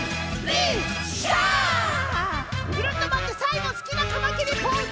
ぐるっとまわってさいごすきなカマキリポーズ！